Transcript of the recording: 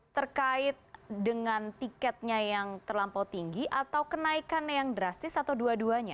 terkait dengan tiketnya yang terlampau tinggi atau kenaikannya yang drastis atau dua duanya